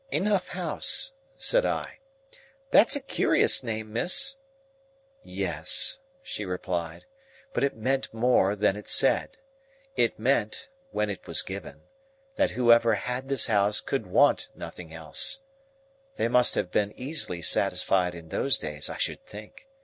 "Enough House," said I; "that's a curious name, miss." "Yes," she replied; "but it meant more than it said. It meant, when it was given, that whoever had this house could want nothing else. They must have been easily satisfied in those days, I should think.